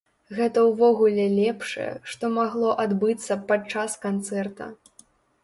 Гэта ўвогуле лепшае, што магло адбыцца падчас канцэрта!